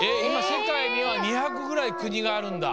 せかいには２００ぐらい国があるんだ。